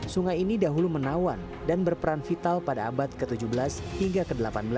sungai ini dahulu menawan dan berperan vital pada abad ke tujuh belas hingga ke delapan belas